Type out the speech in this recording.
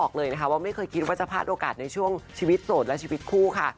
คุณพทิเซียคูทค่ะ